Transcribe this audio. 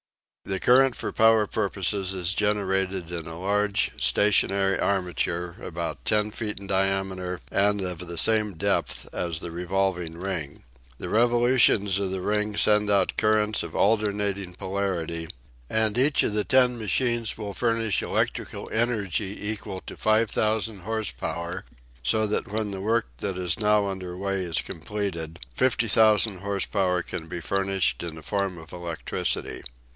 The current for power purposes is generated in a large stationary armature about ten feet in diameter and of the same depth as the revolving ring. The revolutions of the ring send out currents of alternating polarity, and each of the ten machines will furnish electrical energy equal to 5000 horse power, so that when the work that is now under way is completed 50,000 horse power can be furnished in the form of electricity.